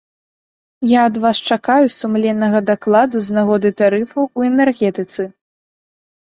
Я ад вас чакаю сумленнага дакладу з нагоды тарыфаў у энергетыцы.